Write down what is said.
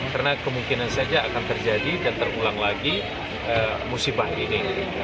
karena kemungkinan saja akan terjadi dan terulang lagi musibah ini